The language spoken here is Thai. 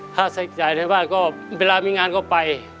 ค่าใช้จ่ายในบ้านก็เวลามีงานก็ไป